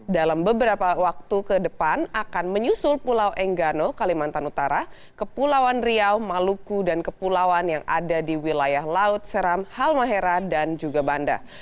dalam beberapa waktu ke depan akan menyusul pulau enggano kalimantan utara kepulauan riau maluku dan kepulauan yang ada di wilayah laut seram halmahera dan juga banda